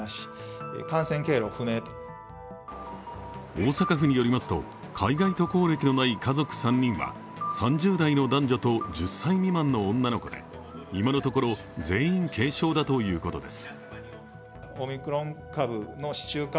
大阪府によりますと海外渡航歴のない家族３人は３０代の男女と１０歳未満の女の子で今のところ、全員軽症だということです。